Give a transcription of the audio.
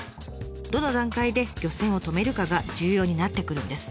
どの段階で漁船を止めるかが重要になってくるんです。